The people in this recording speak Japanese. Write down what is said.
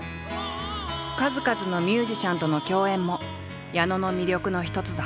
数々のミュージシャンとの共演も矢野の魅力の一つだ。